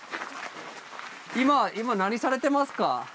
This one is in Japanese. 今今何されてますか？